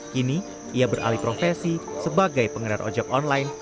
kini ia beralih profesi sebagai pengedar ojek online